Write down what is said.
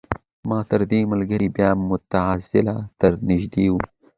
ماتریدي ملګري بیا معتزله ته نژدې وو.